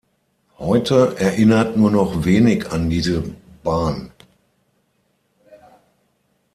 Heute erinnert nur noch wenig an diese Bahn.